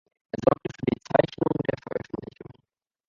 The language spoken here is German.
Er sorgte für die Zeichnungen der Veröffentlichungen.